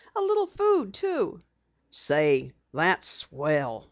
"A little food too." "Say, that's swell!"